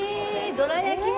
どら焼きも？